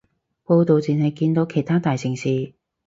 報導淨係見到其他大城市